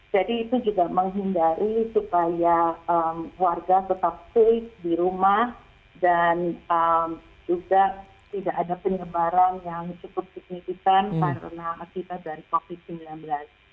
jadi itu juga menghindari supaya warga tetap safe di rumah dan juga tidak ada penyebaran yang cukup signifikan karena kita dari covid sembilan belas